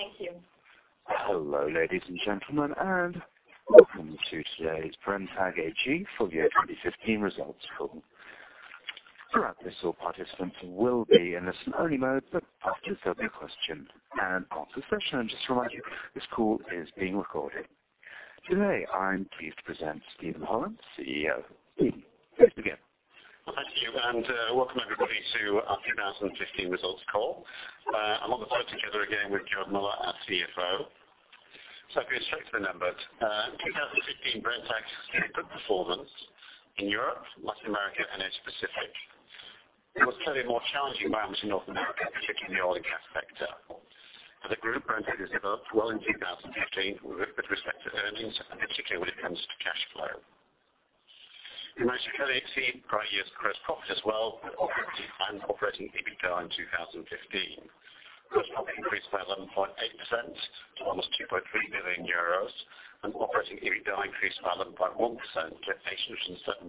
Yes. Thank you. Hello, ladies and gentlemen, welcome to today's Brenntag AG full-year 2015 results call. Throughout this, all participants will be in a listen-only mode, but can ask their question at the question-and-answer session. I will just remind you, this call is being recorded. Today, I am pleased to present Steven Holland, CEO. Steve, over to you. Thank you. Welcome everybody to our 2015 results call. I am on the phone together again with Georg Müller, our CFO. I will go straight to the numbers. In 2015, Brenntag sustained good performance in Europe, Latin America, and Asia Pacific. It was clearly a more challenging environment in North America, particularly in the oil and gas sector. As a group, Brenntag has developed well in 2015 with respect to earnings, and particularly when it comes to cash flow. You might actually have seen prior year's gross profit as well, and operating EBITDA in 2015. Gross profit increased by 11.8% to almost 2.3 billion euros, and operating EBITDA increased by 11.1% to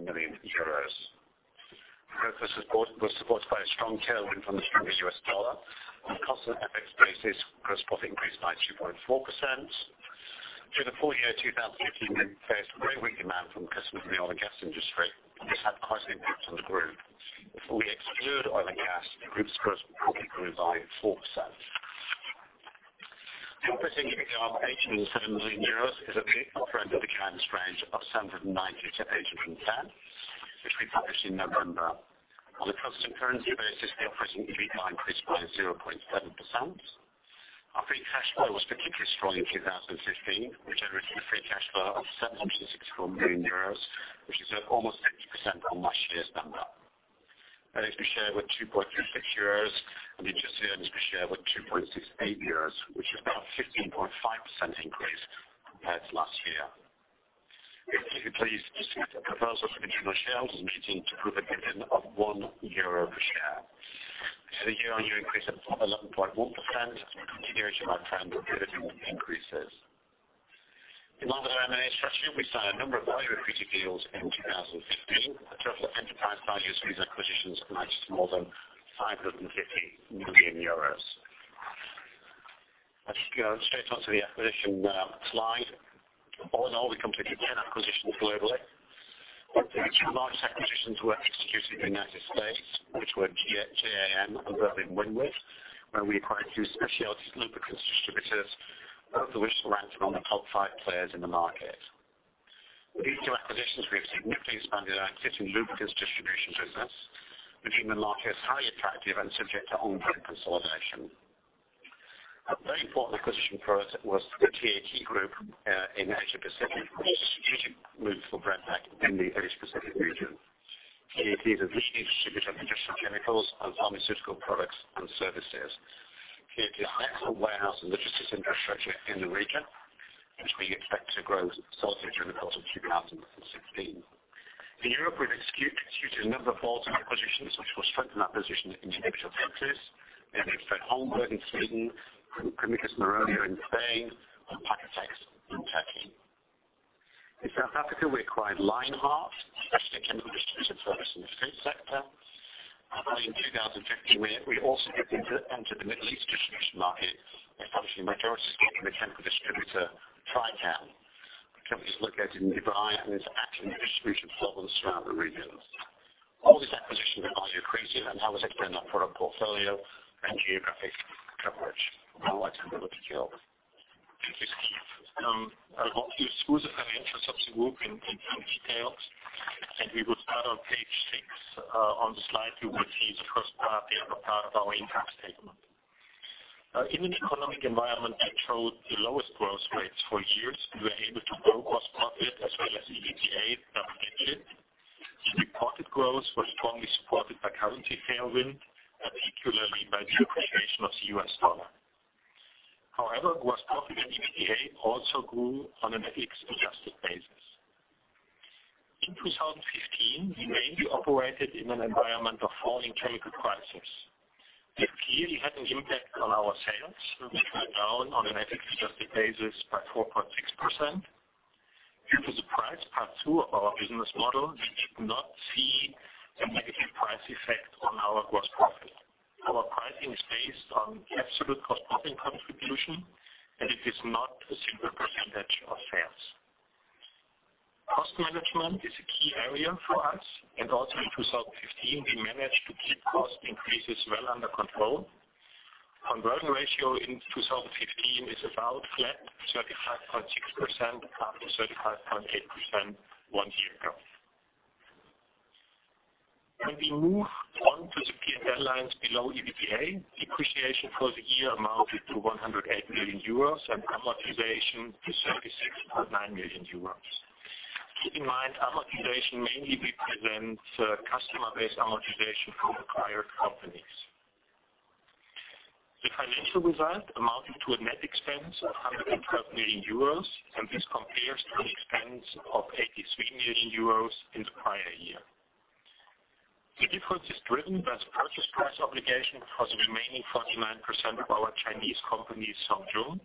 877 million euros. Growth was supported by a strong tailwind from the stronger U.S. dollar. On a constant FX basis, gross profit increased by 2.4%. Through the full-year 2015, we faced greatly weak demand from customers in the oil and gas industry, which had quite an impact on the group. If we exclude oil and gas, the group's gross profit grew by 4%. The operating EBITDA of EUR 877 million is a bit off the guidance range of EUR 790 million to EUR 810 million, which we published in November. On a constant currency basis, the operating EBITDA increased by 0.7%. Our free cash flow was particularly strong in 2015. We generated free cash flow of 764 million euros, which is up almost 60% on last year's number. Earnings per share were EUR 2.36, and adjusted earnings per share were 2.68 euros, which is about a 15.5% increase compared to last year. If you could please consider the proposal to the general shareholders' meeting to approve a dividend of 1 euro per share. We had a year-on-year increase of 11.1%, a continuation of our trend of dividend increases. In line with our M&A strategy, we signed a number of value-accretive deals in 2015. The total enterprise value of these acquisitions amounts to more than 550 million euros. I'll just go straight on to the acquisition slide. All in all, we completed 10 acquisitions globally. Our two largest acquisitions were executed in the U.S., which were J.A.M. and Berlin-Windward, where we acquired two specialty lubricants distributors, both of which rank among the top five players in the market. With these two acquisitions, we have significantly expanded our existing lubricants distribution business, which we think the market is highly attractive and subject to ongoing consolidation. A very important acquisition for us was the TAT Group in Asia Pacific, a strategic move for Brenntag in the Asia Pacific region. TAT is a leading distributor of industrial chemicals and pharmaceutical products and services. It has excellent warehouse and logistics infrastructure in the region, which we expect to grow substantially during the course of 2016. In Europe, we've executed a number of bolt-on acquisitions, which will strengthen our position in individual countries. Namely, Fred Holmberg in Sweden, Quimicas Meroño in Spain, and Parkoteks Kimya San in Turkey. In South Africa, we acquired Lionheart Chemical Enterprises, a specialty chemical distributor servicing the food sector. Early in 2015, we also entered the Middle East distribution market by establishing a majority stake in the chemical distributor, Trychem FZC. The company is located in Dubai and has active distribution platforms throughout the region. All these acquisitions are value-accretive and help us extend our product portfolio and geographic coverage. I'll hand over to Georg. Thank you, Steven. I want to go through the financials of the group in some details, and we will start on page six. On the slide, you will see the first part there, the part of our income statement. In an economic environment that showed the lowest growth rates for years, we were able to grow gross profit as well as EBITDA double digits. The reported growth was strongly supported by currency tailwind, and particularly by the appreciation of the U.S. dollar. However, gross profit and EBITDA also grew on an FX-adjusted basis. In 2015, we mainly operated in an environment of falling chemical prices. This clearly had an impact on our sales, which were down on an FX-adjusted basis by 4.6%. Due to the price pass-through of our business model, we did not see a negative price effect on our gross profit. Our pricing is based on absolute gross profit contribution, and it is not a simple percentage of sales. Cost management is a key area for us, and also in 2015, we managed to keep cost increases well under control. Conversion ratio in 2015 is about flat, 35.6% after 35.8% one year ago. When we move on to the P&L lines below EBITDA, depreciation for the year amounted to 108 million euros and amortization to 76.9 million euros. Keep in mind, amortization mainly represents customer-based amortization for acquired companies. The financial result amounted to a net expense of 112 million euros, and this compares to an expense of 83 million euros in the prior year. The difference is driven by the purchase price obligation for the remaining 49% of our Chinese company, Zhong Yung.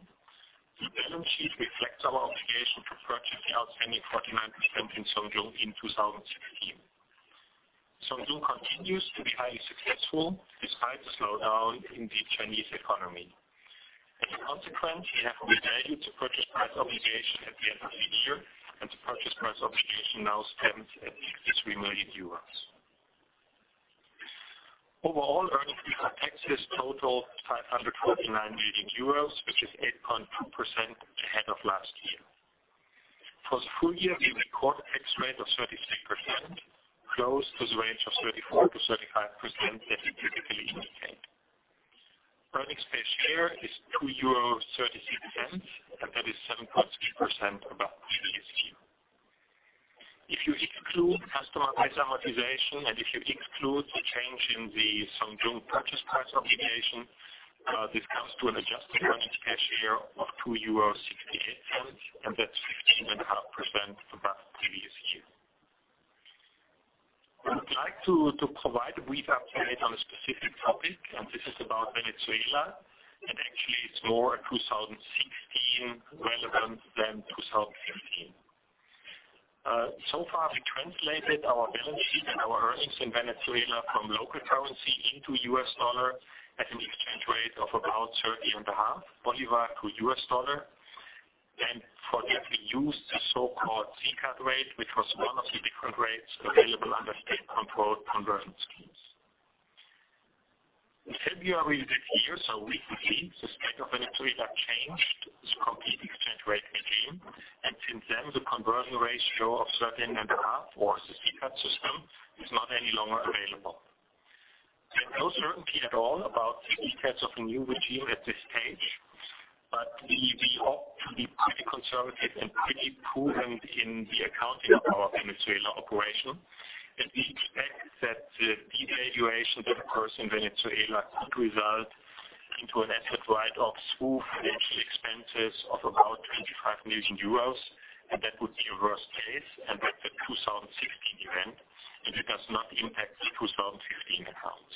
Earning 49% in Zhong Yung in 2017. Zhong Yung continues to be highly successful despite the slowdown in the Chinese economy. As a consequence, we have revalued the purchase price obligation at the end of the year, the purchase price obligation now stands at 53 million euros. Overall, earnings before tax is total 549 million euros, which is 8.2% ahead of last year. For the full year, we record a tax rate of 33%, close to the range of 34%-35% that we typically indicate. Earnings per share is 2.36 euro, that is 7.2% above the previous year. If you include customer price amortization, if you exclude the change in the Zhong Yung purchase price obligation, this comes to an adjusted earnings per share of 2.68 euros, that's 15.5% above previous year. I would like to provide a brief update on a specific topic, this is about Venezuela. Actually, it's more 2016 relevant than 2015. We translated our balance sheet and our earnings in Venezuela from local currency into USD at an exchange rate of about 30.5 bolivar to USD. For that, we used the so-called SICAD rate, which was one of the different rates available under state-controlled conversion schemes. In February this year, recently, the state of Venezuela changed its complete exchange rate regime, since then, the conversion ratio of 30.5, or the SICAD system, is not any longer available. There's no certainty at all about the details of the new regime at this stage. We opt to be pretty conservative and pretty prudent in the accounting of our Venezuela operation. We expect that the devaluation that occurs in Venezuela could result into an asset write-off through financial expenses of about 25 million euros, that would be a worst case, that's a 2016 event, it does not impact the 2015 accounts.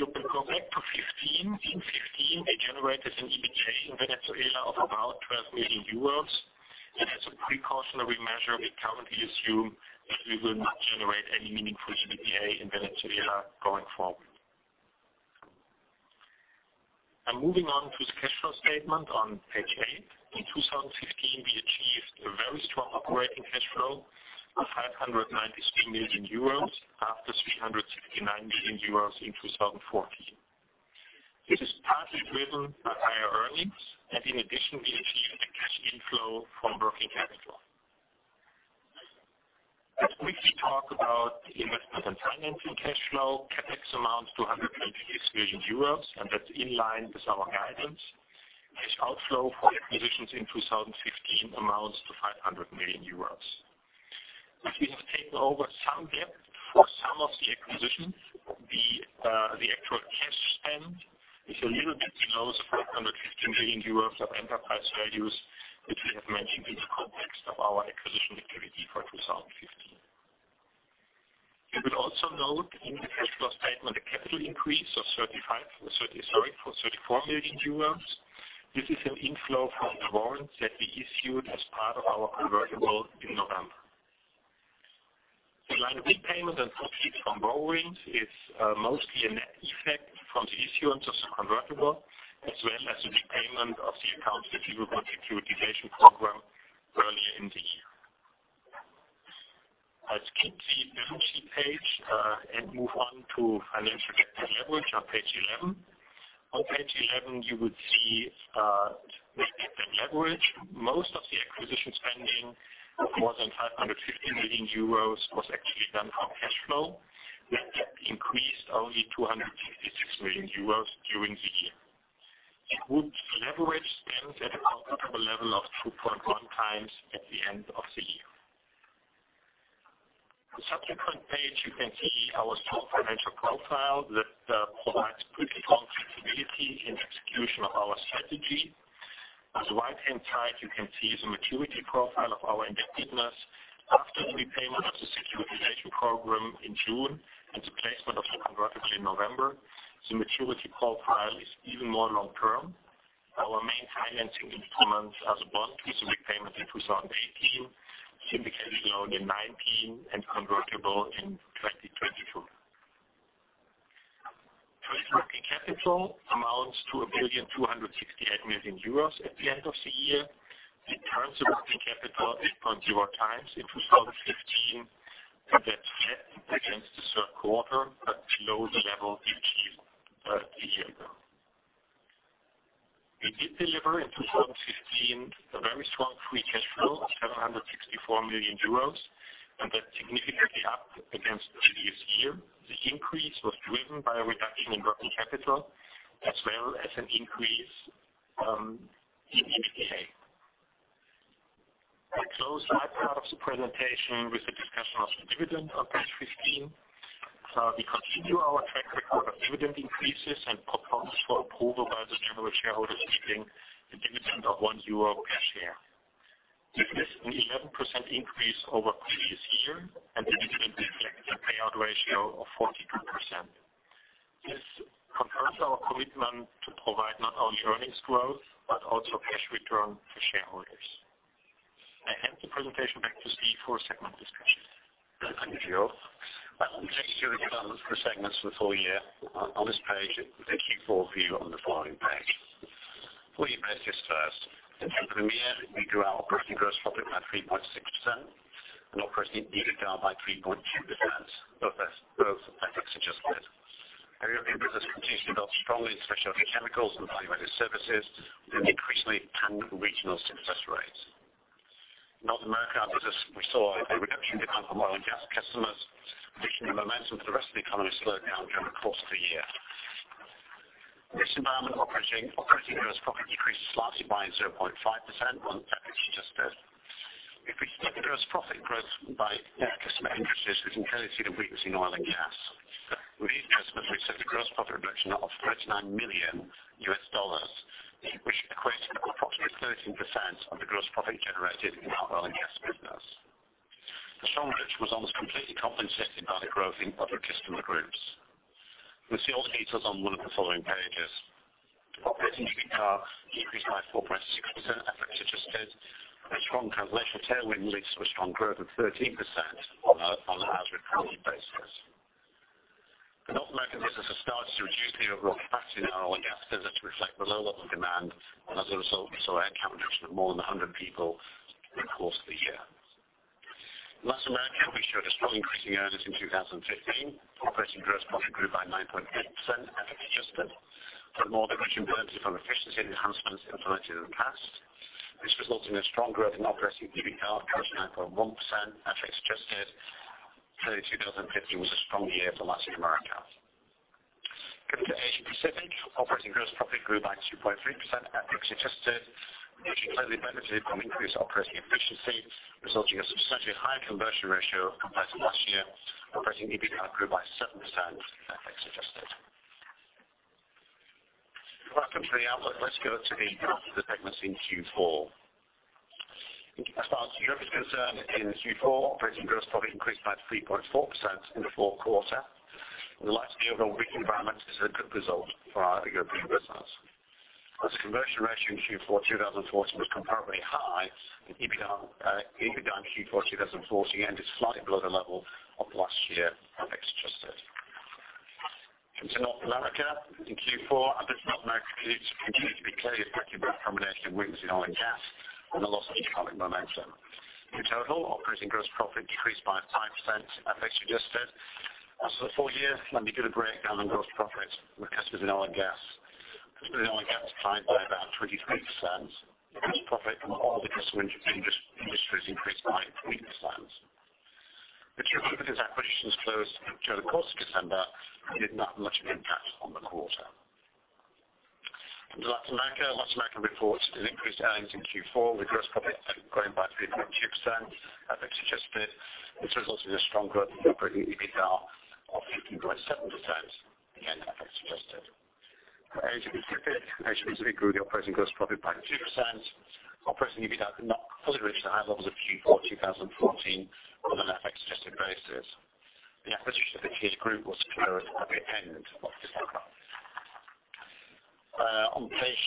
Going back to 2015, in 2015, we generated an EBITDA in Venezuela of about 12 million euros. As a precautionary measure, we currently assume that we will not generate any meaningful EBITDA in Venezuela going forward. I'm moving on to the cash flow statement on page eight. In 2015, we achieved a very strong operating cash flow of 593 million euros after 359 million euros in 2014. This is partly driven by higher earnings, in addition, we achieved a cash inflow from working capital. Let's quickly talk about the investment and financing cash flow. CapEx amounts to 126 million euros, that's in line with our guidance. Cash outflow for acquisitions in 2015 amounts to 500 million euros, we have taken over some debt for some of the acquisitions. The actual cash spend is a little bit below the 450 million euros of enterprise values, we have mentioned in the context of our acquisition activity for 2015. You will also note in the cash flow statement a capital increase of 34 million euros. This is an inflow from the warrants that we issued as part of our convertible in November. The line repayment and proceeds from borrowings is mostly a net effect from the issuance of some convertible, as well as the repayment of the accounts receivable securitization program earlier in the year. I'll skip the balance sheet page, move on to financial debt and leverage on page 11. On page 11, you would see the net debt leverage. Most of the acquisition spending of more than 550 million euros was actually done from cash flow. Net debt increased only 256 million euros during the year. The group leverage stands at a comfortable level of 2.1 times at the end of the year. On the subsequent page, you can see our strong financial profile that provides pretty strong flexibility in execution of our strategy. At the right-hand side, you can see the maturity profile of our indebtedness. After the repayment of the securitization program in June and the placement of the convertible in November, the maturity profile is even more long-term. Our main financing instruments are the bond with a repayment in 2018, syndicated loan in 2019, and convertible in 2024. Net working capital amounts to 1,268 million euros at the end of the year. The current working capital 8.0 times in 2015, and that's flat against the third quarter, but below the level achieved a year ago. We did deliver in 2015 a very strong free cash flow of 764 million euros, and that's significantly up against the previous year. The increase was driven by a reduction in working capital as well as an increase in EBITDA. I close my part of the presentation with the discussion of the dividend on page 15. We continue our track record of dividend increases and propose for approval by the general shareholders' meeting a dividend of 1 euro per share. This is an 11% increase. Not only earnings growth, but also cash return for shareholders. I hand the presentation back to Steve for a segment discussion. Thank you, Operator. I would like to give you a development for the segments for the full year on this page, with the Q4 view on the following page. Full year basis first. In Europe and the Middle East, we grew our operating gross profit by 3.6% and operating EBITDA by 3.2%, both FX-adjusted. European business continues to develop strongly, especially chemicals and value-added services with increasingly tangible regional success rates. In North America, we saw a reduction in demand from oil and gas customers, additionally momentum for the rest of the economy slowed down during the course of the year. In this environment, operating gross profit decreased slightly by 0.5% on FX-adjusted. If we look at gross profit growth by customer industries, we can clearly see the weakness in oil and gas. These customers reached a gross profit reduction of EUR 39 million, which equates to approximately 13% of the gross profit generated in our oil and gas business. The strong growth was almost completely compensated by the growth in other customer groups. We see all the details on one of the following pages. Operating EBITDA increased by 4.6%, FX-adjusted. A strong translation tailwind released a strong growth of 13% on a as-reported basis. The North American business has started to reduce the overall capacity in our oil and gas business to reflect the lower level of demand, and as a result, we saw a headcount reduction of more than 100 people during the course of the year. In Latin America, we showed a strong increase in earnings in 2015. Operating gross profit grew by 9.8%, FX-adjusted, from more efficient benefits from efficiency enhancements implemented in the past. This resulted in a strong growth in operating EBITDA of 39.1%, FX-adjusted. Clearly, 2015 was a strong year for Latin America. Coming to Asia Pacific, operating gross profit grew by 2.3%, FX-adjusted, which clearly benefited from increased operating efficiency, resulting in a substantially higher conversion ratio compared to last year. Operating EBITDA grew by 7%, FX-adjusted. Welcome to the outlook. Let's go to the performance of the segments in Q4. As far as Europe is concerned, in Q4, operating gross profit increased by 3.4% in the fourth quarter. In light of the overall weak environment, this is a good result for our European business. As the conversion ratio in Q4 2014 was comparably high and EBITDA in Q4 2014 ended slightly below the level of last year, FX-adjusted. Coming to North America in Q4, our business in North America continued to be plagued by a combination of weakness in oil and gas and the loss of economic momentum. In total, operating gross profit decreased by 5%, FX-adjusted. The full year, let me give a breakdown on gross profit from the customers in oil and gas. Customers in oil and gas declined by about 23%. Gross profit from all the customer industries increased by 8%. The Q1 business acquisitions closed during the course of December did not have much of an impact on the quarter. In Latin America, Latin America reports an increased earnings in Q4, with gross profit growing by 3.2%, FX-adjusted. This resulted in a strong growth in operating EBITDA of 15.7%, again, FX-adjusted. Asia Pacific grew the operating gross profit by 2%. Operating EBITDA could not fully reach the high levels of Q4 2014 on an FX-adjusted basis. The acquisition of the TAT Group was closed at the end of December. On page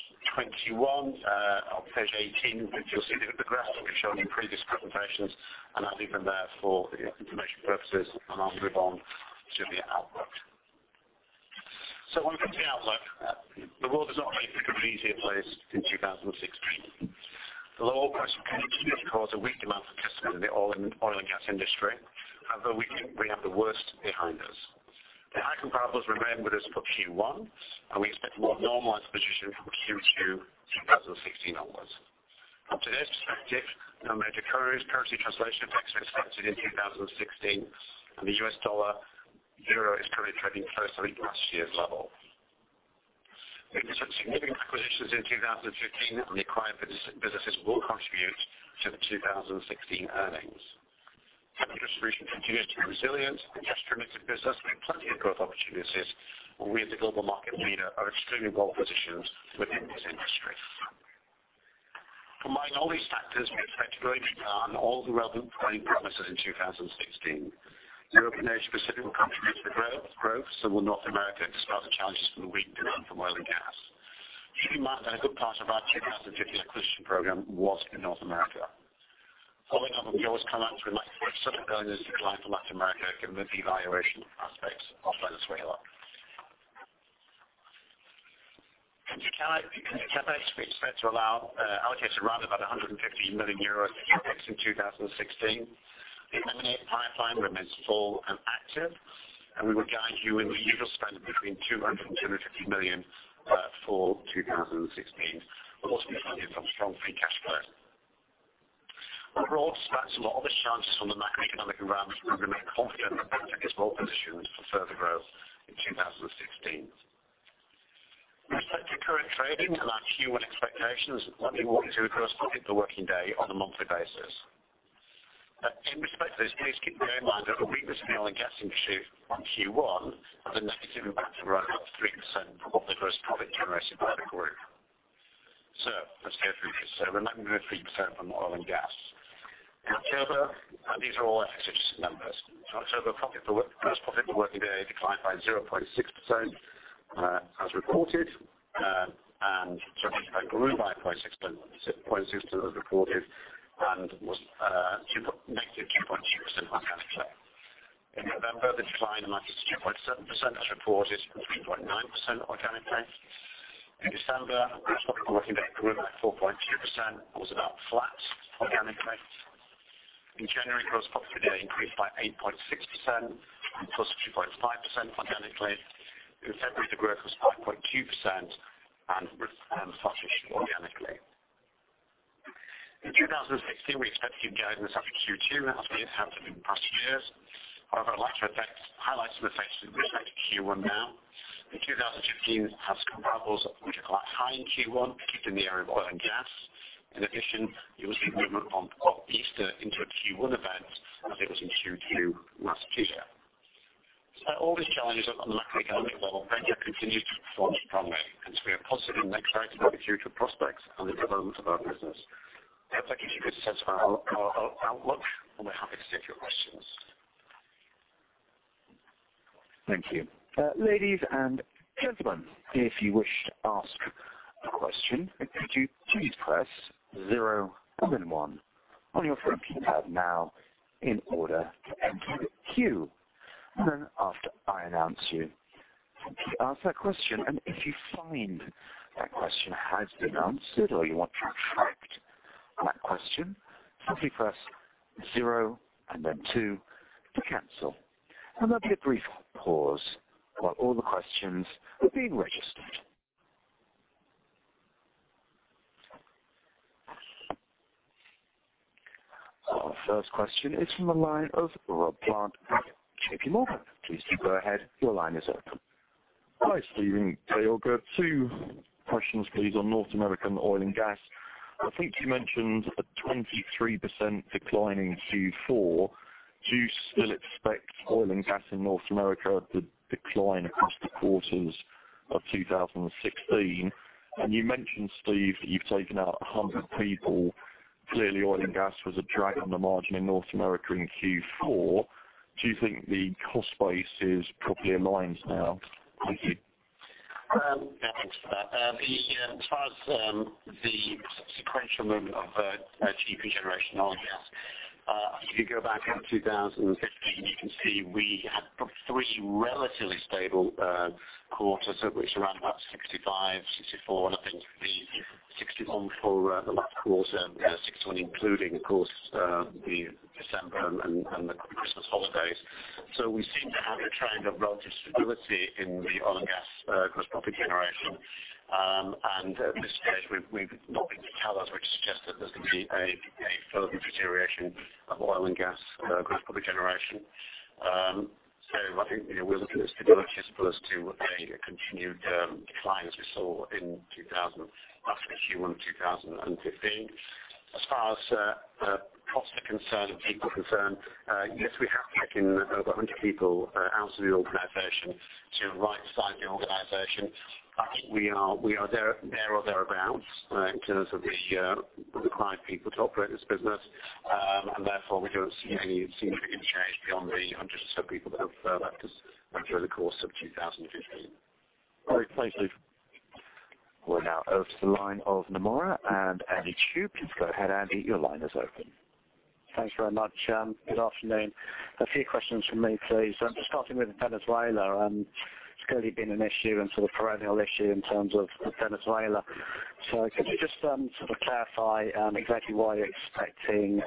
18, you'll see the progress that we've shown you in previous presentations, and I'll leave them there for information purposes, and I'll move on to the outlook. When it comes to the outlook, the world has not really become an easier place since 2016. The low oil price continues to cause a weak demand from customers in the oil and gas industry. However, we think we have the worst behind us. The high comparables remain with us for Q1, and we expect a more normalized position from Q2 2016 onwards. From today's perspective, no major currency translation effects are expected in 2016, and the US dollar/euro is currently trading close to last year's level. We did some significant acquisitions in 2015, and the acquired businesses will contribute to the 2016 earnings. Chemical distribution continues to be resilient. Industrial business, we have plenty of growth opportunities, and we as a global market leader are extremely well-positioned within these industries. Combine all these factors, we expect good growth on all the relevant reporting parameters in 2016. Europe and Asia Pacific will contribute to the growth, so will North America despite the challenges from weak demand from oil and gas. Keep in mind that a good part of our 2015 acquisition program was in North America. Following up on Operator's comments, we might see some earnings decline from Latin America given the devaluation aspects of Venezuela. In CapEx, we expect to allow allocated around about 150 million euros for CapEx in 2016. The M&A pipeline remains full and active. We would guide you in the usual spend between 200 million and 250 million for 2016, also benefited from strong free cash flow. Overall, despite some obvious challenges from the macroeconomic environment, we remain confident that Brenntag is well positioned for further growth in 2016. In respect to current trading to our Q1 expectations, let me walk you through gross profit per working day on a monthly basis. In respect to this, please keep in mind that a weakness in the oil and gas industry on Q1 has a negative impact of around 3% of the gross profit generated by the group. [We are 93% from oil and gas]. These are all FX numbers. Gross profit for working day declined by 0.6% as reported, and was negative 2.2% organically. In November, the decline in margin was 2.7% as reported, 3.9% organically. In December, gross profit working day grew by 4.2%, was about flat organically. In January, gross profit today increased by 8.6% and +2.5% organically. February, the growth was 5.2% and flat-ish organically. In 2016, we expect to give guidance after Q2 as we have done in past years. Highlights of effects we take Q1 now. 2015 has comparables which are quite high in Q1, particularly in the area of oil and gas. There was a movement on Easter into a Q1 event as it was in Q2 last year. Despite all these challenges on the macroeconomic level, Brenntag continues to perform strongly. We are positive and excited about the future prospects and the development of our business. That gives you a good sense of our outlook. We are happy to take your questions. Thank you. Ladies and gentlemen, if you wish to ask a question, could you please press zero, then one on your phone keypad now in order to enter the queue. After I announce you to ask that question, and if you find that question has been answered or you want to retract that question, simply press zero and then two to cancel. There will be a brief pause while all the questions are being registered. Our first question is from the line of Rob Plant with JPMorgan. Please do go ahead. Your line is open. Hi, Steven. Two questions, please, on North American oil and gas. I think you mentioned a 23% decline in Q4. Do you still expect oil and gas in North America to decline across the quarters of 2016? You mentioned, Steve, that you've taken out 100 people. Clearly, oil and gas was a drag on the margin in North America in Q4. Do you think the cost base is properly aligned now? Yeah, thanks for that. As far as the sequential movement of GP generation, oil and gas. If you go back out 2015, you can see we had three relatively stable quarters, which is around about 65, 64, I think 61 for the last quarter, 61 including, of course, December and the Christmas holidays. We seem to have a trend of relative stability in the oil and gas gross profit generation. At this stage, we've nothing to tell us which suggests that there's going to be a further deterioration of oil and gas gross profit generation. I think we are looking at stability as opposed to a continued decline as we saw in Q1 of 2015. As far as costs are concerned and people concerned, yes, we have taken over 100 people out of the organization to right-size the organization. I think we are there or thereabouts in terms of the required people to operate this business. Therefore, we don't see any significant change beyond the 100 or so people that have left us during the course of 2015. All right. Thank you. We're now over to the line of Nomura and Andy Chu. Please go ahead, Andy. Your line is open. Thanks very much. Good afternoon. A few questions from me, please. Starting with Venezuela. It's clearly been an issue and sort of perennial issue in terms of Venezuela. Could you just sort of clarify exactly why you're expecting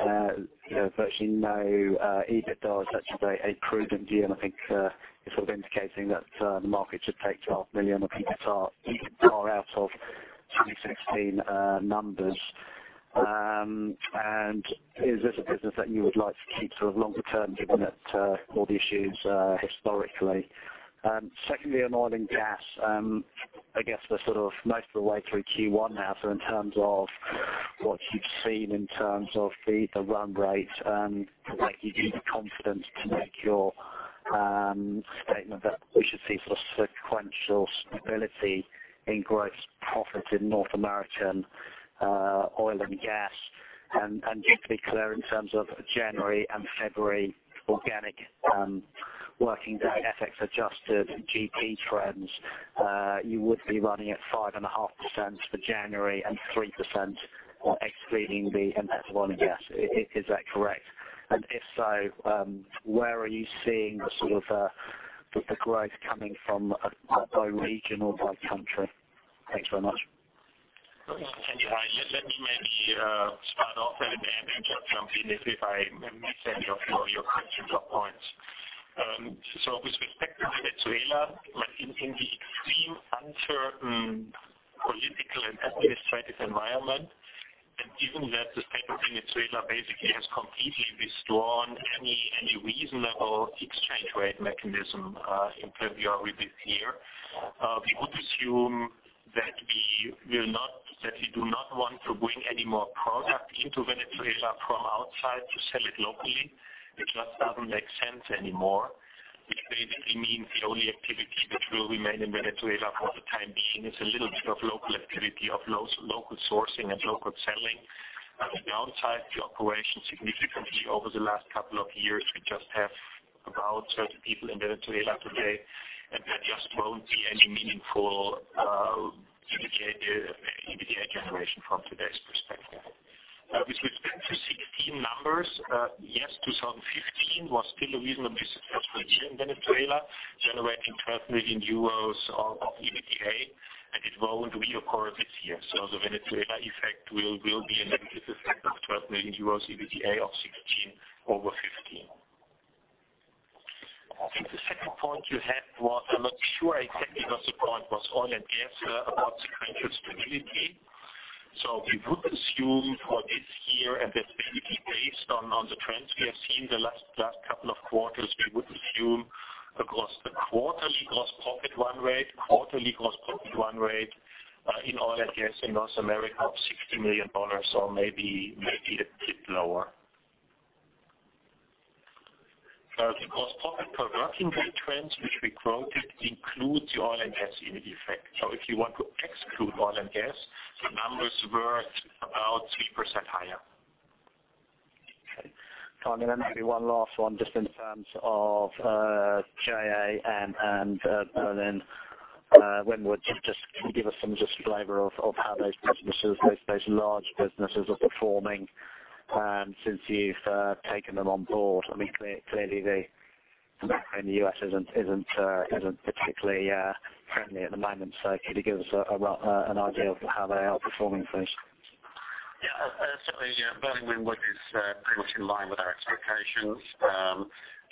virtually no EBITDA, such a prudent view, and I think it's sort of indicating that the market should take 12 million of EBITDA out of 2016 numbers. Is this a business that you would like to keep sort of longer term, given all the issues historically? Secondly, on oil and gas, I guess we're sort of most of the way through Q1 now. In terms of what you've seen in terms of the run rate, why you gave the confidence to make your statement that we should see sort of sequential stability in gross profit in North American oil and gas. Just to be clear, in terms of January and February organic working day FX-adjusted GP trends, you would be running at 5.5% for January and 3% excluding the impact of oil and gas. Is that correct? If so, where are you seeing the sort of growth coming from, by region or by country? Thanks very much. Andy, hi. Let me maybe start off and jump in if I miss any of your questions or points. With respect to Venezuela, in the extreme uncertain political and administrative environment, and given that the state of Venezuela basically has completely withdrawn any reasonable exchange rate mechanism in play we are with here. We would assume that we do not want to bring any more pro- Into Venezuela from outside to sell it locally, it just doesn't make sense anymore, which basically means the only activity that will remain in Venezuela for the time being is a little bit of local activity of local sourcing and local selling. We downsized the operation significantly over the last couple of years. We just have about 30 people in Venezuela today, and there just won't be any meaningful EBITDA generation from today's perspective. With respect to 2016 numbers, yes, 2015 was still a reasonably successful year in Venezuela, generating 12 million euros of EBITDA, and it won't reoccur this year. The Venezuela effect will be a negative effect of 12 million euros EBITDA of 2016 over 2015. I think the second point you had was, I'm not sure exactly what the point was, oil and gas, about sequential stability. We would assume for this year, and this will be based on the trends we have seen the last couple of quarters, we would assume a quarterly gross profit run rate in oil and gas in North America of EUR 60 million or maybe a bit lower. The gross profit per working day trends which we quoted includes the oil and gas in effect. If you want to exclude oil and gas, the numbers were about 3% higher. Okay. Maybe one last one just in terms of J.A.M. and Berlin-Windward. Can you give us some flavor of how those large businesses are performing since you've taken them on board? Clearly, the macro in the U.S. isn't particularly friendly at the moment, could you give us an idea of how they are performing, please? Yeah. Certainly, Berlin-Windward is pretty much in line with our expectations.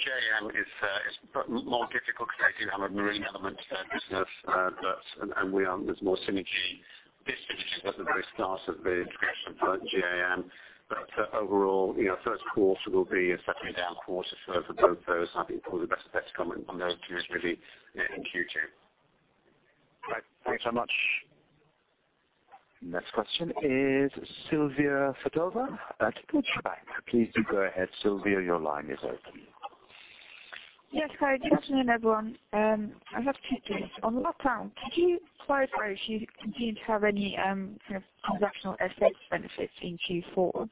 J.A.M. is more difficult because they do have a marine element to their business, and there's more synergy. This synergy was at the very start of the integration for J.A.M. Overall, first quarter will be a slightly down quarter for both those. I think probably the best effects come on those two is really in Q2. Right. Thanks so much. Next question is Georgina Iwamoto at Goldman Sachs. Please do go ahead, Georgina, your line is open. Yes. Hi, good afternoon, everyone. I have two things. On LatAm, could you clarify if you continue to have any transactional FX benefits in Q4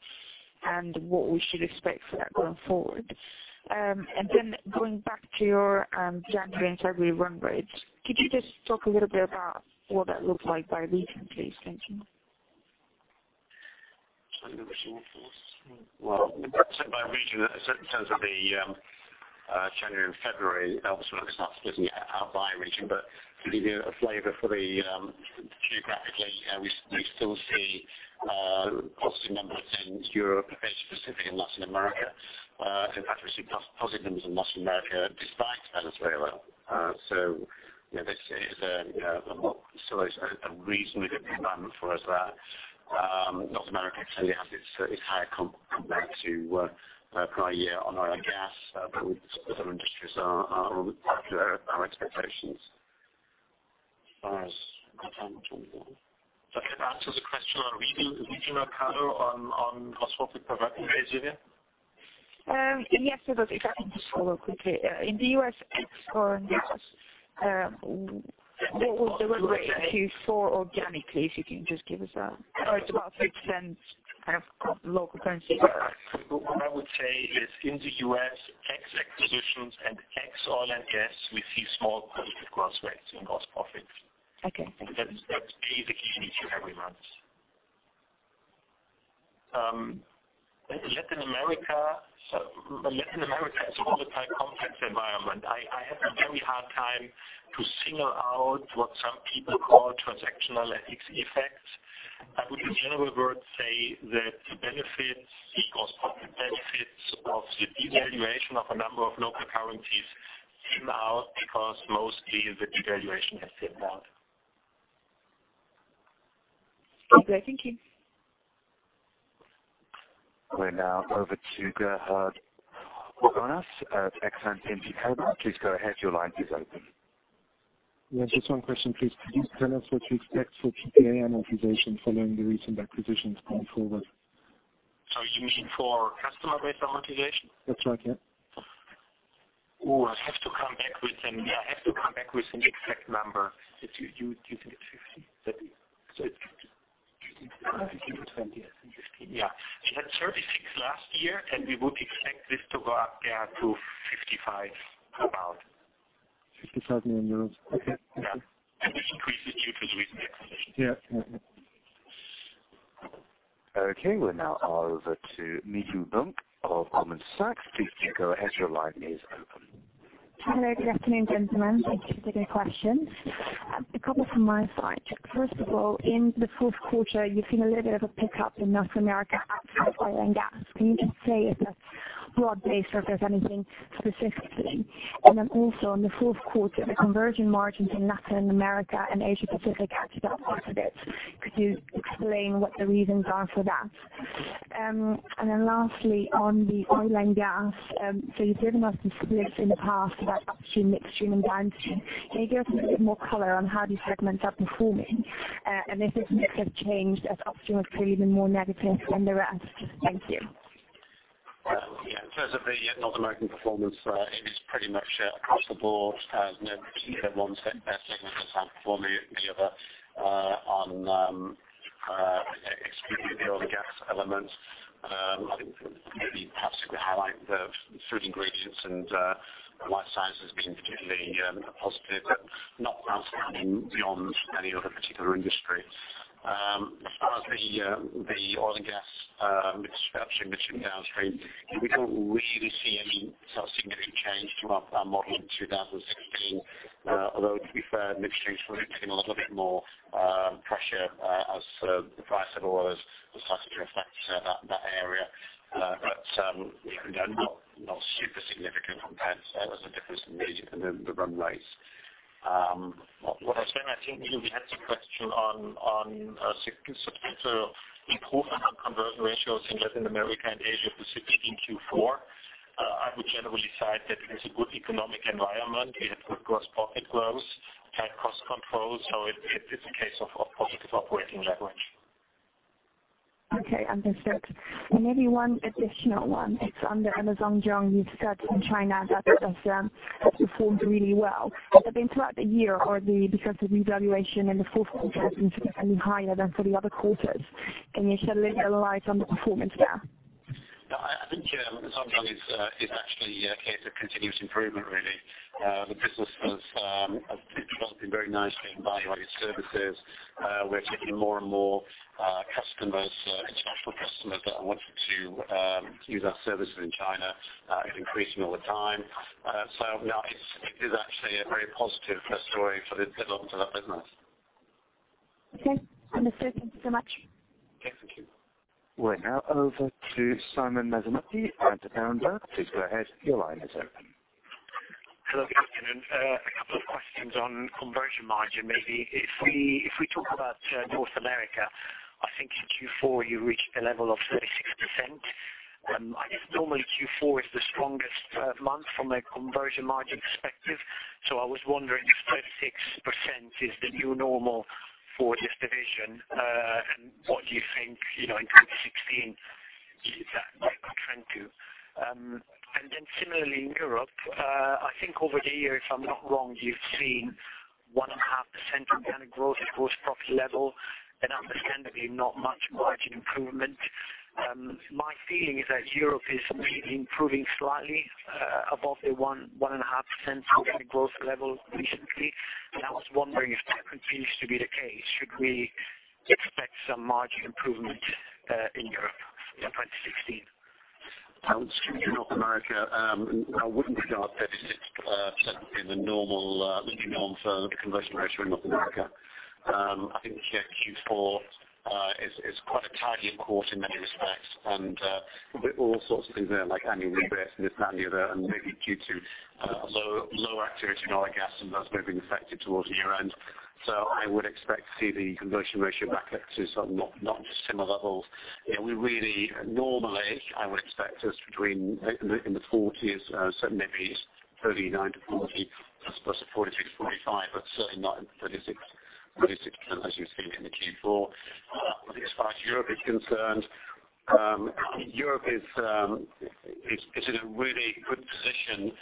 and what we should expect for that going forward? Then going back to your January and February run rates, could you just talk a little bit about what that looks like by region, please? Thank you. By region, in terms of the January and February, obviously, we're not splitting it out by region. To give you a flavor, geographically, we still see positive numbers in Europe and Asia-Pacific and Latin America. In fact, we see positive numbers in Latin America despite Venezuela. This is a reasonably good environment for us there. North America clearly has its higher comp back to prior year on oil and gas, other industries are up to our expectations. As far as Okay. That answers the question on regional color on gross profit per working day, Georgina? Yes, it does. If I can just follow quickly. In the U.S., ex-acquisitions, what was the run rate in Q4 organically, if you can just give us that? It's about 6% local currency. What I would say is in the U.S., ex-acquisitions and ex oil and gas, we see small positive gross rates in gross profit. Okay. Thank you. That's basically every month. Latin America is a volatile, complex environment. I have a very hard time to single out what some people call transactional FX effects. I would, in general words, say that the gross profit benefits of the devaluation of a number of local currencies even out because mostly the devaluation has evened out. Okay, thank you. We're now over to Gerhard Orgonas of Exane BNP Paribas. Please go ahead. Your line is open. Yes, just one question, please. Could you tell us what to expect for PPA amortization following the recent acquisitions going forward? You mean for customer base amortization? That's right, yeah. I have to come back with an exact number. Do you think it's 50? 30? I think it was 20, I think, 15. Yeah. We had 36 last year. We would expect this to go up to 55, about. 55 million euros. Okay. Thank you. Yeah. This increase is due to the recent acquisitions. Yeah. Okay, we're now over to Mimi Bunq of Goldman Sachs. Please do go ahead, your line is open. Hello, good afternoon, gentlemen. Thank you for taking the questions. A couple from my side. First of all, in the fourth quarter, you've seen a little bit of a pickup in North America outside oil and gas. Can you just say if that's broad-based or if there's anything specific to it? Also in the fourth quarter, the conversion ratios in Latin America and Asia-Pacific actually down quite a bit. Could you explain what the reasons are for that? Lastly, on the oil and gas, you've given us the split in the past about upstream, midstream, and downstream. Can you give us a little bit more color on how these segments are performing, and if their mix have changed as upstream has proven more negative than the rest? Thank you. Right. Yeah. In terms of the North American performance, it is pretty much across the board as no one segment has outperformed the other on excluding the oil and gas elements. I think maybe perhaps we highlight the food ingredients and life sciences being particularly positive, but not outstanding beyond any other particular industry. As far as the oil and gas upstream, midstream, downstream, we don't really see any significant change to our model in 2016. Although to be fair, midstream is really taking a little bit more pressure as the price of oil has started to reflect that area. Again, not super significant compared to the difference in the run rates. What I said, I think we had the question on subsequent improvement on conversion ratios in Latin America and Asia-Pacific in Q4. I would generally cite that there is a good economic environment. We have good gross profit growth and cost control. It's a case of positive operating leverage. Okay, understood. Maybe one additional one. It's under Zhong Yung. You've said in China that the business has performed really well. Throughout the year or because of the devaluation in the fourth quarter has been significantly higher than for the other quarters. Can you shed a little light on the performance there? No, I think Zhong Yung is actually a case of continuous improvement really. The business has developed very nicely and value-added services. We're taking more and more customers, international customers that are wanting to use our services in China is increasing all the time. It is actually a very positive story for the development of that business. Okay. Understood. Thank you so much. Okay. Thank you. We're now over to Simon Mezzanotte at Berenberg. Please go ahead. Your line is open. Hello. Good afternoon. A couple of questions on conversion margin. Maybe if we talk about North America, I think in Q4, you reached a level of 36%. I guess normally Q4 is the strongest month from a conversion margin perspective. I was wondering if 36% is the new normal for this division. What do you think in 2016 is that level trending to? Similarly in Europe, I think over the year, if I'm not wrong, you've seen 1.5% organic growth at gross profit level, and understandably not much margin improvement. My feeling is that Europe is really improving slightly above the 1.5% organic growth level recently. I was wondering if that continues to be the case. Should we expect some margin improvement in Europe for 2016? In North America, I wouldn't regard 36% as the new norm for conversion ratio in North America. I think Q4 is quite a tidy quarter in many respects, and there are all sorts of things there, like annual rebates, this, that and the other, and maybe Q2, low activity in oil and gas, and that may have been affected towards year-end. I would expect to see the conversion ratio back up to some not dissimilar levels. Normally, I would expect us between in the forties, so maybe 39%-40% + 46%, 45%, but certainly not 36%, as you've seen in the Q4. I think as far as Europe is concerned Europe is in a really good position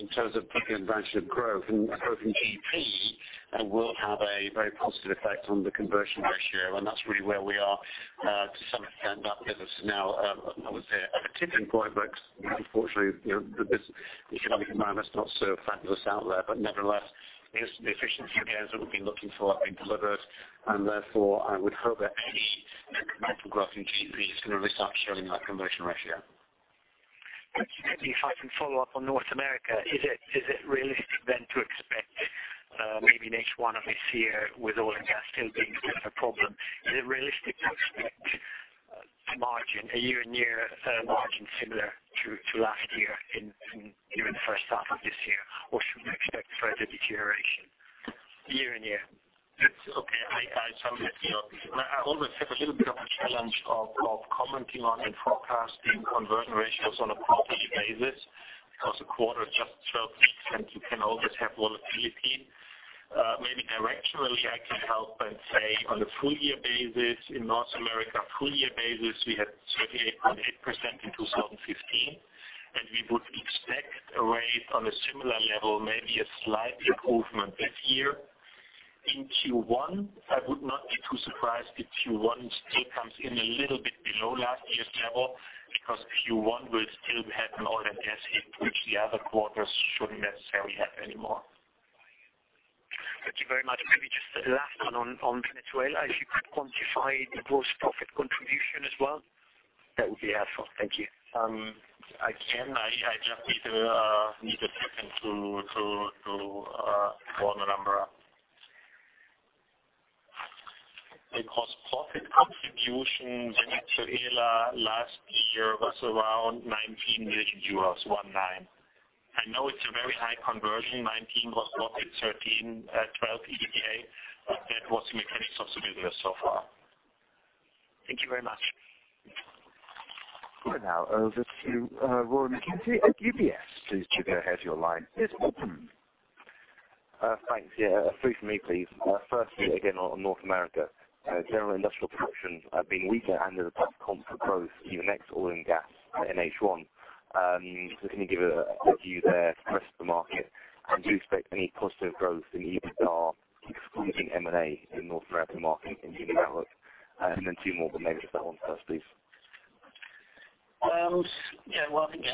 in terms of organic revenue growth. Improving GP will have a very positive effect on the conversion ratio. That's really where we are. To some extent, that business now I would say, at a tipping point. Unfortunately, the economic environment is not so fabulous out there. Nevertheless, the efficiency gains that we've been looking for have been delivered, and therefore, I would hope that any incremental growth in GP is going to really start showing that conversion ratio. If I can follow up on North America, is it realistic then to expect maybe in H1 of this year with oil and gas still being a bit of a problem, is it realistic to expect a year-on-year margin similar to last year in even the first half of this year? Should we expect further deterioration year-on-year? Okay. I always have a little bit of a challenge of commenting on and forecasting conversion ratios on a quarterly basis, because a quarter is just 12 weeks, and you can always have volatility. Maybe directionally, I can help and say on a full year basis in North America, full year basis, we had 38.8% in 2015, and we would expect a rate on a similar level, maybe a slight improvement this year. In Q1, I would not be too surprised if Q1 still comes in a little bit below last year's level, because Q1 will still have an oil and gas hit, which the other quarters shouldn't necessarily have anymore. Thank you very much. Maybe just last one on Venezuela. If you could quantify the gross profit contribution as well, that would be helpful. Thank you. I can. I just need a second to pull the number up. The gross profit contribution Venezuela last year was around 19 million euros. 19. I know it's a very high conversion, 19 gross profit, 12 EBITDA, but that was the mechanics of the business so far. Thank you very much. We're now over to Warren McKenzie at UBS. Please go ahead. Your line is open. Thanks. Yeah. Three from me, please. First, again, on North America. General Industrial productions have been weaker under the platform for growth even ex oil and gas in H1. Can you give a review there for the rest of the market? Do you expect any positive growth in EBITDA excluding M&A in North American market in giving outlook? Two more, but maybe just that one first, please. Yeah. Well, I think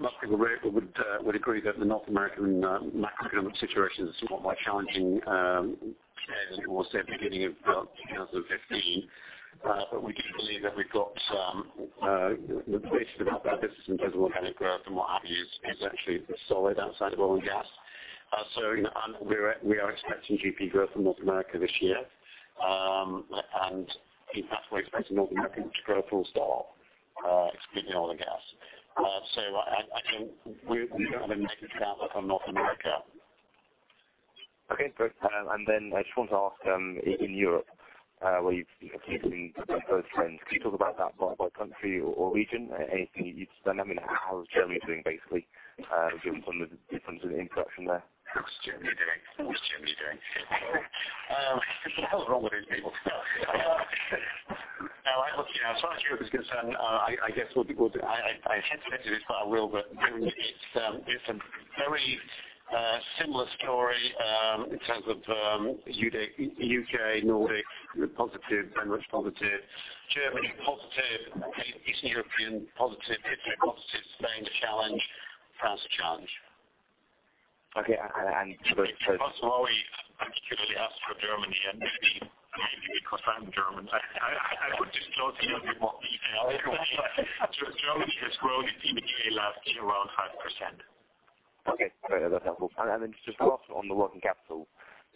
most people would agree that the North American macroeconomic situation is somewhat more challenging than it was at the beginning of 2015. We do believe that we've got the basis of our business in terms of organic growth and what have you is actually solid outside of oil and gas. We are expecting GP growth in North America this year. In fact, we're expecting North American to grow full stop, excluding oil and gas. I think we don't have a negative outlook on North America. Okay, great. I just want to ask in Europe, where you've seen trends. Can you talk about that by country or region? Anything you spend. I mean, how is Germany doing, basically, given the input from there? How is Germany doing? What is Germany doing? What the hell is wrong with these people? Look, as far as Europe is concerned, I hesitate to do this, but I will. Really it's a very similar story in terms of U.K., Nordic, positive, very much positive, Germany positive, Eastern European positive, Italy positive, Spain a challenge, France a challenge. Okay. That's why we particularly asked for Germany, maybe because I'm German. I would disclose a little bit more detail. Germany has grown EBITDA last year around 5%. Okay. Great. That's helpful. Then just a thought on the working capital.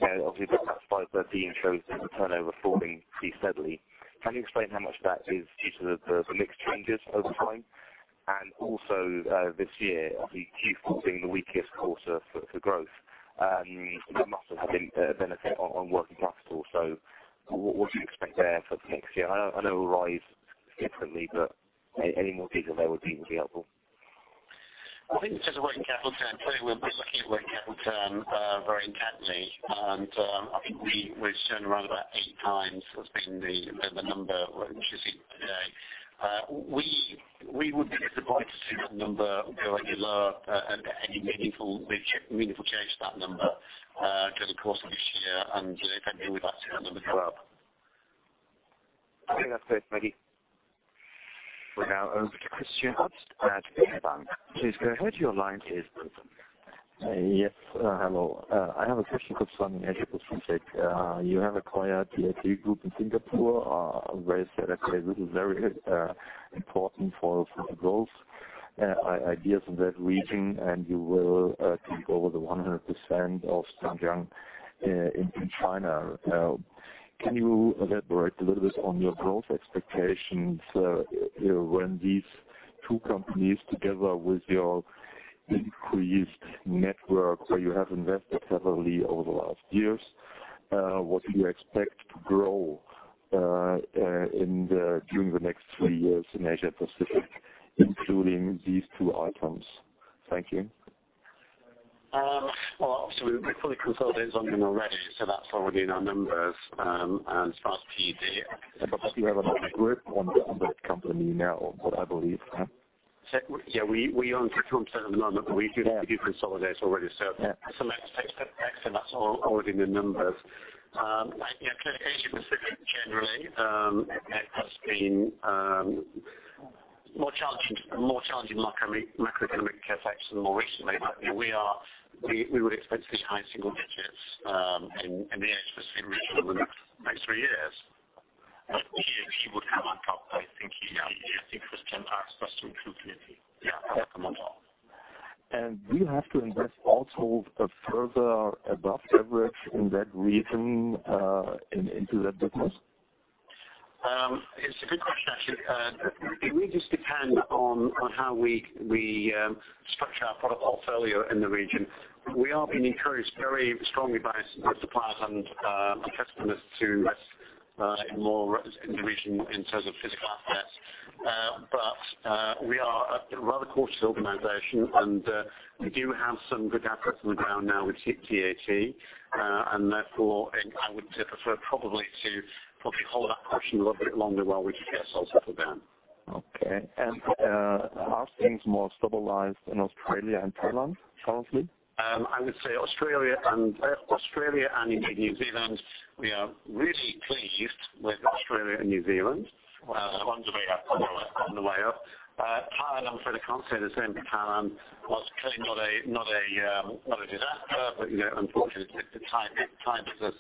Obviously, the past five or 13 shows the turnover falling pretty steadily. Can you explain how much that is due to the mix changes over time? Also, this year, obviously Q4 being the weakest quarter for growth. That must have had a benefit on working capital. What do you expect there for the next year? I know it will rise differently, any more detail there would be helpful. I think in terms of working capital term, clearly we've been looking at working capital term very carefully, and I think we've turned around about eight times has been the number which you see today. We would be disappointed to see that number go any lower and any meaningful change to that number during the course of this year. Definitely we'd like to see that number go up. Okay. That's great. Thank you. We're now over to Christian Lutz at DekaBank. Please go ahead, your line is open. Yes, hello. I have a question concerning Asia Pacific. You have acquired TAT Group in Singapore. Very strategic. This is very important for future growth ideas in that region. You will take over the 100% of SunYang in China. Can you elaborate a little bit on your growth expectations when these two companies, together with your increased network where you have invested heavily over the last years, what do you expect to grow during the next three years in Asia Pacific, including these two items? Thank you. Well, absolutely. We fully consolidated Zhong Yung already, so that's already in our numbers. You have a group on that company now, I believe. Yeah, we own 51% at the moment, but we do consolidate already. Yeah. Let's take that. That's already in the numbers. Asia Pacific generally has been more challenging macroeconomic effects more recently. We would expect to see high single digits in the Asia Pacific region over the next three years. TAT would come on top. I think Christian asked question specifically. Yeah. Do you have to invest also a further above average in that region into that business? It's a good question, actually. It really just depend on how we structure our product portfolio in the region. We are being encouraged very strongly by suppliers and customers to invest more in the region in terms of physical assets. We are a rather cautious organization, and we do have some good assets on the ground now with TAT, and therefore I would prefer probably to hold that question a little bit longer while we get ourselves settled down. Okay. Are things more stabilized in Australia and Thailand currently? I would say Australia and indeed New Zealand. We are really pleased with Australia and New Zealand. The ones on the way up. Thailand, I'm afraid I can't say the same for Thailand. Well, it's clearly not a disaster, but unfortunately, it's a tiny business,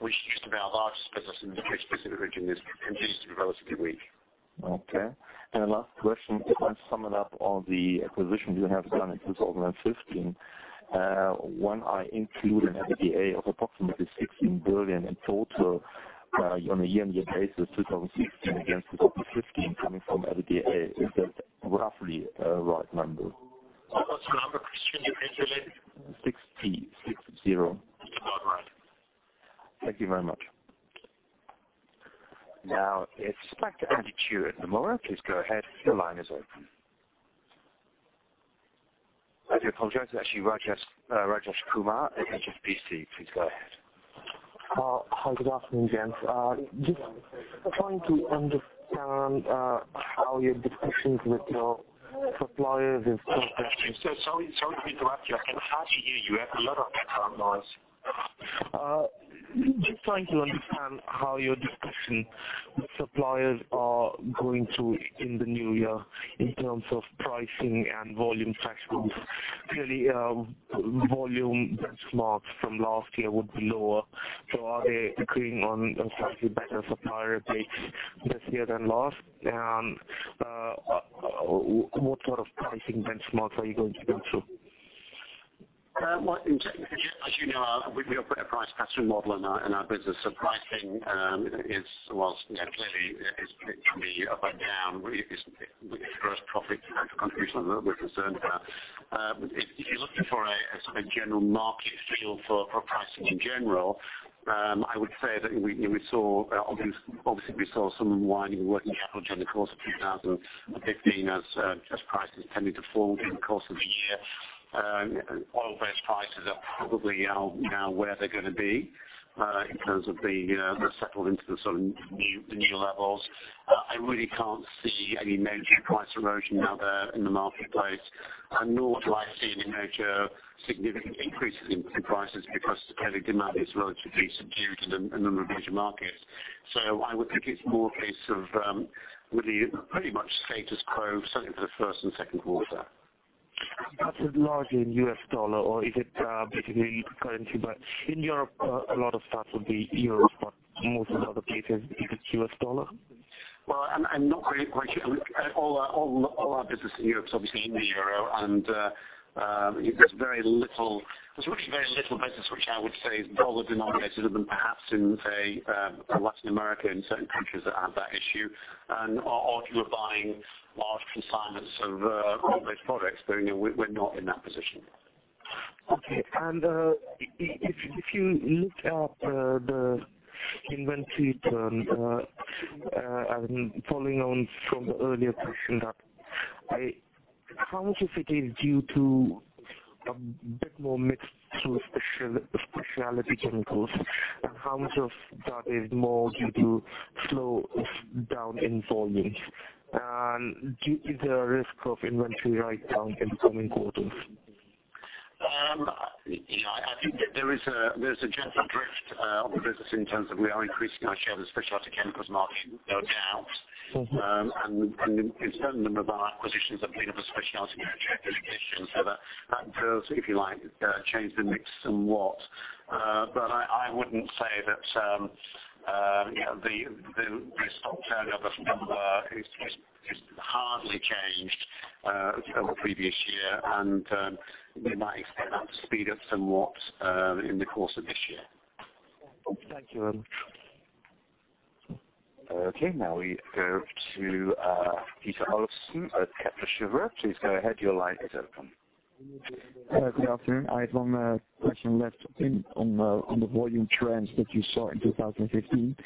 which used to be our largest business in the Asia Pacific region, continues to be relatively weak. Okay. Last question, if I sum it up, all the acquisitions you have done in 2015. When I include an EBITDA of approximately 60 billion in total on a year-on-year basis, 2016 against 2015, coming from EBITDA, is that roughly a right number? What's the number, Christian, you mentioned earlier? 60. Six, zero. That's about right. Thank you very much. It's Andy Chu at Nomura. Please go ahead. Your line is open. I do apologize, it's actually Rajesh Kumar at HSBC. Please go ahead. Hi. Good afternoon, gents. I am just trying to understand how your discussions with your suppliers is progressing. sorry to interrupt you. I can hardly hear you. You have a lot of background noise. trying to understand how your discussion with suppliers are going to in the new year in terms of pricing and volume thresholds. volume benchmarks from last year would be lower. are they agreeing on slightly better supplier takes this year than last? what sort of pricing benchmarks are you going to go through? Well, in general, as you know, we operate a price pass-through model in our business. pricing is whilst clearly it can be up and down. It is operating gross profit contribution that we're concerned about. If you're looking for a sort of general market feel for pricing in general, I would say that obviously we saw some unwinding working capital during the course of 2015 as prices tended to fall during the course of the year. Oil-based prices are probably now where they're going to be in terms of the settled into the sort of new levels. I really can't see any major price erosion out there in the marketplace, nor do I see any major significant increases in prices because clearly demand is relatively subdued in a number of major markets. I would think it's more a case of really pretty much status quo certainly for the first and second quarter. That's largely in US dollar or is it basically currency, but in Europe, a lot of that would be euros, but most of the other places is it US dollar? Well, I'm not quite sure. All our business in Europe's obviously in the euro and there's really very little business which I would say is dollar denominated other than perhaps in, say, Latin America in certain countries that have that issue. Or if you are buying large consignments of oil-based products, we're not in that position. Okay. If you looked at the inventory turn, following on from the earlier question that, how much of it is due to a bit more mix to specialty chemicals, and how much of that is more due to slow down in volumes? Is there a risk of inventory write-down in coming quarters? I think that there's a gentle drift of the business in terms of we are increasing our share of the specialty chemicals market, no doubt. A certain number of our acquisitions have been of a specialty nature in addition. That does, if you like, change the mix somewhat. I wouldn't say that the stock turnover number is hardly changed from the previous year. We might expect that to speed up somewhat in the course of this year. Thank you very much. We go to Peter Olofsen at Kepler Cheuvreux. Please go ahead. Your line is open. Good afternoon. I have one question left on the volume trends that you saw in 2015.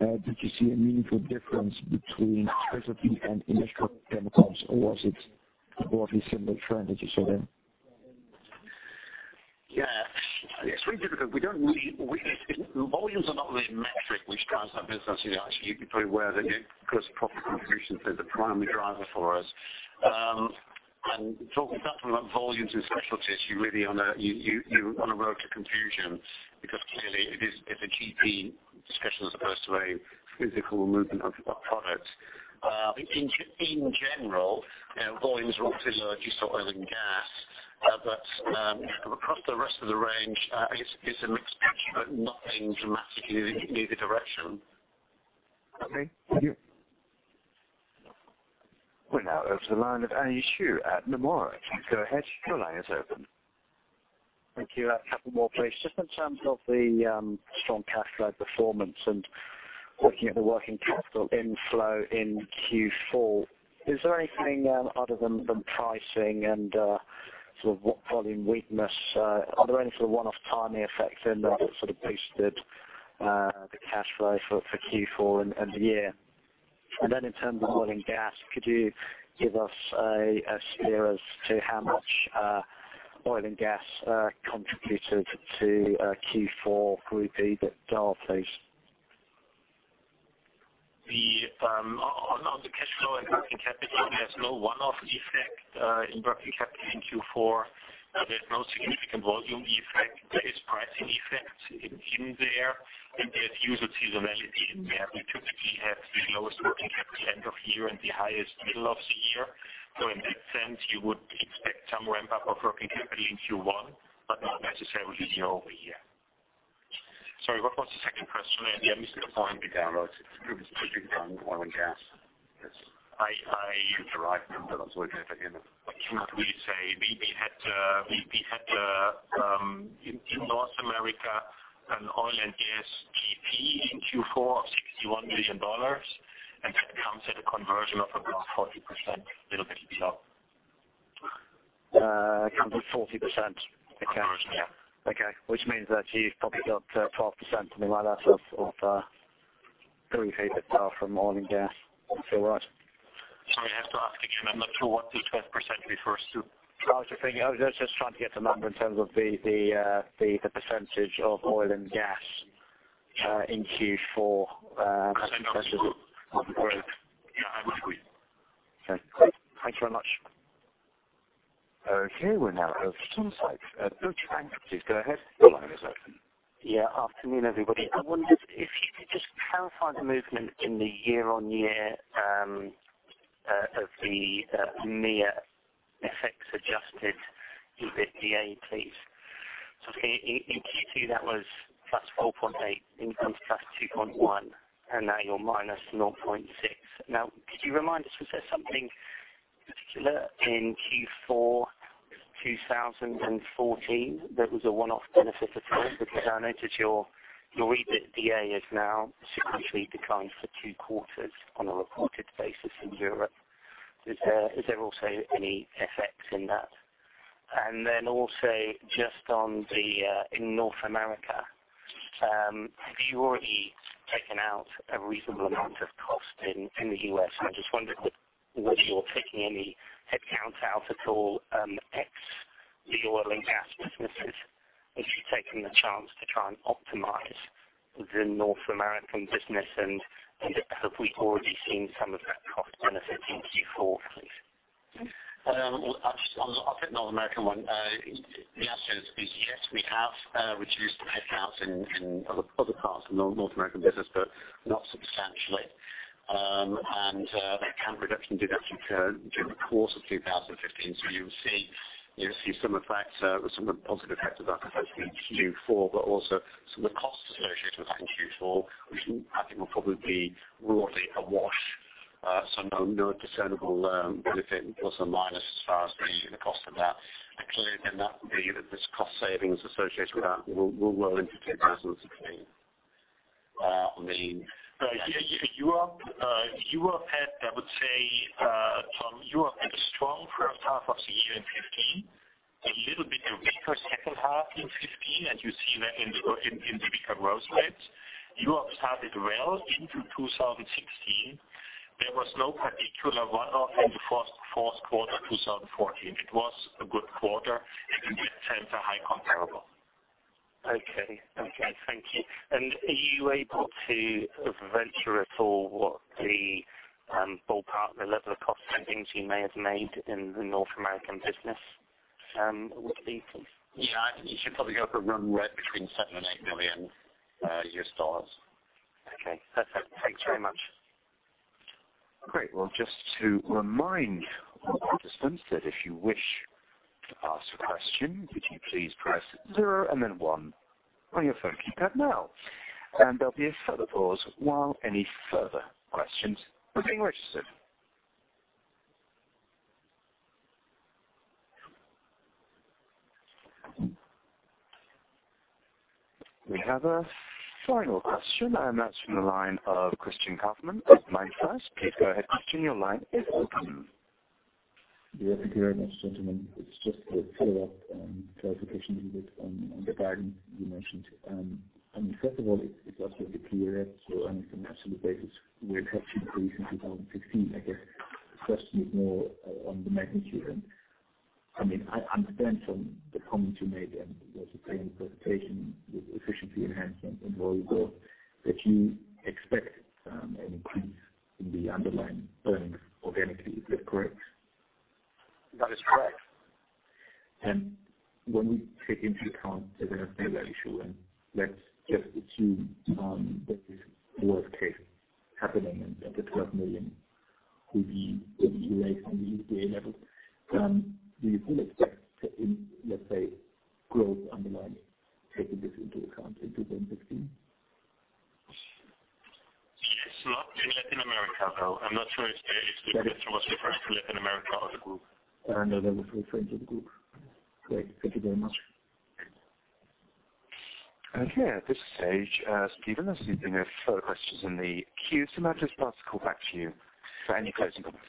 Did you see a meaningful difference between specialty and industrial chemicals, or was it a broadly similar trend that you saw then? Yeah. It's really difficult. Volumes are not really a metric which drives our business. You're probably aware that gross profit contribution is the primary driver for us. Talking about volumes and specialties, you're on a road to confusion because clearly it is a GP discussion as opposed to a physical movement of product. In general, volumes were obviously large in oil and gas. Across the rest of the range, it's a mixed picture, but nothing dramatically in either direction. Okay. Thank you. We're now over to the line of Andy Chu at Nomura. Please go ahead. Your line is open. Thank you. A couple more, please. Just in terms of the strong cash flow performance and looking at the working capital inflow in Q4, is there anything other than pricing and sort of volume weakness? Are there any sort of one-off timing effects in there that sort of boosted the cash flow for Q4 and the year? Then in terms of oil and gas, could you give us a steer as to how much oil and gas contributed to Q4 Group's EBITDA, please? On the cash flow and working capital, there's no one-off effect in working capital in Q4. There's no significant volume effect. There is pricing effect in there, and there's usual seasonality in there. We typically have the lowest working capital end of year and the highest middle of the year. In that sense, you would expect some ramp-up of working capital in Q1, but not necessarily year-over-year. Sorry, what was the second question at the end? The decline in EBITDA. It was driven particularly by oil and gas. I- That's derived from what I was looking for. We say we had in North America an oil and gas GP in Q4 of $61 million, and that comes at a conversion of about 40%. 140%. Okay. That you've probably got 12%, something like that, [of EBITDA] from oil and gas. Is that right? Sorry, I have to ask again. I'm not sure what the 12% refers to. I was just trying to get the number in terms of the percentage of oil and gas in Q4. Yes, I would agree. Okay. Thank you very much. Okay, we now have [SunLife]. Please go ahead. Your line is open. Afternoon, everybody. I wonder if you could just clarify the movement in the year-on-year of the EMEA FX-adjusted EBITDA, please. I think in Q2 that was +4.8%, income +2.1%, and now you're -0.6%. Could you remind us, was there something particular in Q4 2014 that was a one-off benefit at all? Because I noticed your EBITDA has now sequentially declined for two quarters on a reported basis in Europe. Is there also any FX in that? Also, just in North America, have you already taken out a reasonable amount of cost in the U.S.? I just wonder whether you're taking any headcount out at all ex the oil and gas businesses, if you've taken the chance to try and optimize the North American business, and have we already seen some of that cost benefit in Q4, please? I'll take the North American one. The answer is yes, we have reduced the headcounts in other parts of the North American business, but not substantially. That headcount reduction did actually occur during the course of 2015. You'll see some effect, some of the positive effects of that, hopefully in Q4, but also some of the costs associated with that in Q4, which I think will probably be broadly a wash. No discernable benefit plus or minus as far as the cost of that. That would be that this cost savings associated with that will roll into 2016. Europe had, I would say, Tom, Europe had a strong first half of the year in 2015, a little bit weaker second half in 2015, and you see that in the weaker growth rates. Europe started well into 2016. There was no particular one-off in the fourth quarter 2014. It was a good quarter, and we face a high comparable. Okay. Thank you. Are you able to venture at all what the ballpark, the level of cost savings you may have made in the North American business would be, please? Yeah. You should probably go for a run rate between $7 million and $8 million. Okay, perfect. Thanks very much. Well, just to remind participants that if you wish to ask a question, could you please press zero and then one on your phone keypad now. There'll be a further pause while any further questions are being registered. We have a final question, and that's from the line of Christian Kaufmann of MainFirst. Please go ahead, Christian. Your line is open. Thank you very much, gentlemen. It's just a follow-up clarification on the margin you mentioned. I mean, first of all, it was already clear that on an absolute basis, we're touching base in 2016. I guess the question is more on the magnitude. I understand from the comments you made and what you say in the presentation with efficiency enhancement and where you go, that you expect an increase in the underlying earnings organically. Is that correct? That is correct. When we take into account the Venezuela issue, and let's just assume that is worst case happening and that the 12 million will be erased on the EBITDA level. Do you still expect to, let's say, grow underlying, taking this into account in 2016? Yes. Not in Latin America, though. I'm not sure if the question was referring to Latin America or the group. No, that was referring to the group. Great. Thank you very much. Okay. At this stage, Steven, unless there are further questions in the queue, may I just ask to call back to you for any closing comments?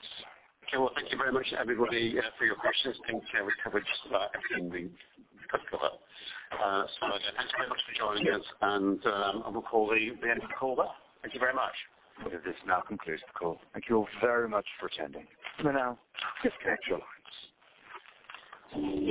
Okay. Well, thank you very much, everybody, for your questions. I think we covered everything we had to cover. Again, thanks very much for joining us, I will call the end of the call there. Thank you very much. This now concludes the call. Thank you all very much for attending. You may now disconnect your lines.